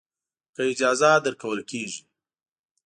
که اجازه درکول کېږي.